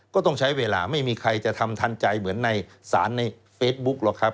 ก็ต้องใช้เวลาไม่มีใครจะทำทันใจเหมือนในสารในเฟซบุ๊คหรอกครับ